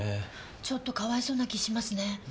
ちょっとかわいそうな気しますね。